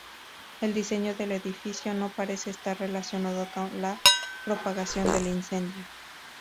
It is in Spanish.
El diseño del edificio no parece estar relacionado con la propagación del incendio.